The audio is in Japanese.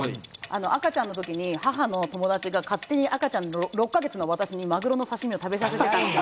赤ちゃんの時に母の友達が勝手に６か月の私にマグロの刺身を食べさせて。